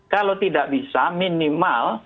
kalau tidak bisa minimal